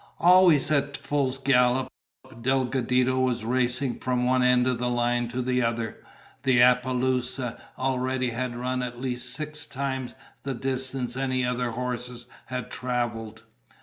Always at full gallop, Delgadito was racing from one end of the line to the other. The apaloosa already had run at least six times the distance any other horse had traveled.